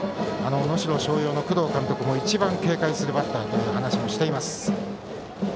能代松陽の工藤監督も一番警戒するバッターという話をしています。